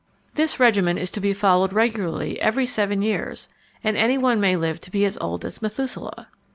This regimen is to be followed regularly every seven years, and any one may live to be as old as Methuselah!